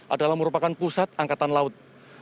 adalah merupakan pusat angkatan laut